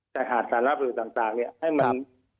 สายหาดสารระใช่ล่างต่างให้มัน